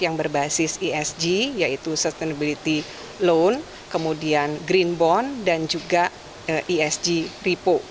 yang berbasis esg yaitu sustainability loan kemudian green bond dan juga esg repo